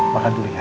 makan dulu ya